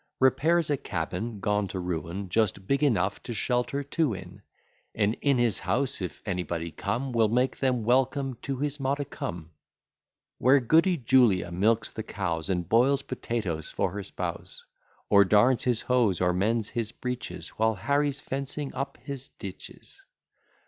Repairs a cabin gone to ruin, Just big enough to shelter two in; And in his house, if anybody come, Will make them welcome to his modicum Where Goody Julia milks the cows, And boils potatoes for her spouse; Or darns his hose, or mends his breeches, While Harry's fencing up his ditches.